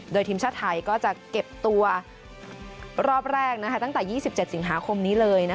โดยทีมชาติไทยก็จะเก็บตัวรอบแรกตั้งแต่๒๗สิงหาคมนี้เลย